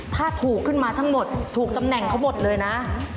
ถ้าถูกขึ้นมาทั้งหมดถูกตำแหน่งเขาหมดเลยนะ